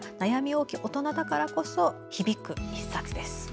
多き大人だからこそ響く１冊です。